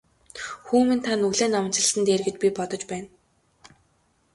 Хүү минь та нүглээ наманчилсан нь дээр гэж би бодож байна.